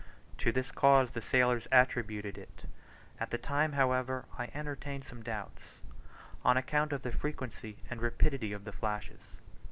To this cause the sailors attributed it; at the time, however, I entertained some doubts, on account of the frequency and rapidity of the flashes.